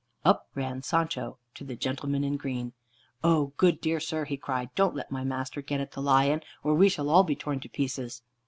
Up ran Sancho to the gentleman in green. "O good, dear sir," he cried, "don't let my master get at the lion, or we shall all be torn to pieces."